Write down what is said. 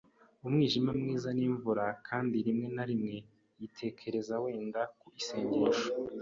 umwijima, mwiza n'imvura; kandi rimwe na rimwe yatekereza wenda ku isengesho